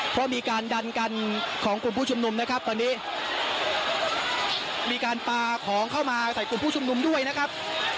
เพราะมีการดันกันของกลุ่มผู้ชุมนุมนะครับตอนนี้มีการปลาของเข้ามาใส่กลุ่มผู้ชุมนุมด้วยนะครับ